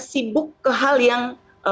sibuk ke hal yang